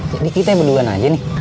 jadi kita yang berduaan aja nih